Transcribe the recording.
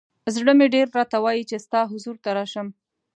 ز ړه مې ډېر راته وایی چې ستا حضور ته راشم.